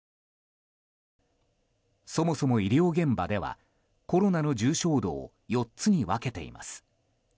そもそも医療現場ではコロナの重症度を４つに分けています。